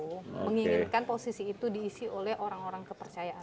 untuk menginginkan posisi itu diisi oleh orang orang kepercayaan